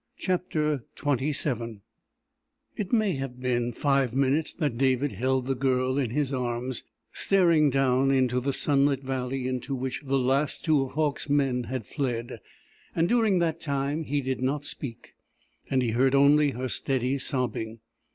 CHAPTER XXVII It may have been five minutes that David held the Girl in his arms, staring down into the sunlit valley into which the last two of Hauck's men had fled, and during that time he did not speak, and he heard only her steady sobbing.